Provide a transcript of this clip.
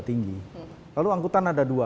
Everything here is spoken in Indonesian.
tinggi lalu angkutan ada dua